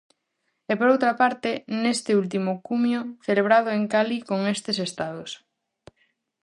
E por outra parte, neste último cumio celebrado en Cali con estes Estados.